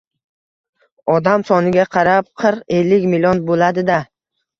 -Odam soniga qarab qirq-ellik million bo`ladi-da